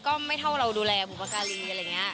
ก็ไม่เท่าเราดูแลบุปการีอะไรอย่างนี้